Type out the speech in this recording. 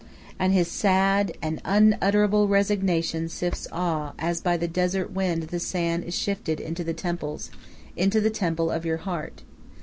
And his sad, and unutterable resignation sifts awe, as by the desert wind the sand is sifted into the temples, into the temple of your heart.